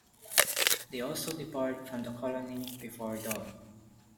They also depart from the colony before dawn.